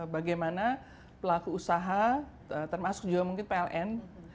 bagaimana pelaku usaha termasuk juga mungkin pln